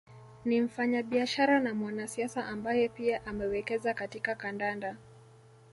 Ni mfanyabiashara na mwanasiasa ambaye pia amewekeza katika kandanda